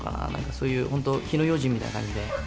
そういう本当、火の用心みたいな感じで。